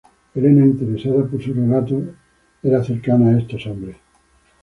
Elena, interesada por sus relatos, era cercana a estos hombres.